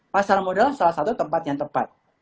pasar modal salah satu tempat yang tepat